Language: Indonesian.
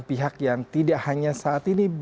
pihak yang tidak hanya saat ini